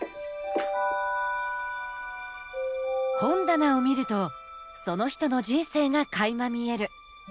本棚を見るとその人の人生がかいま見える。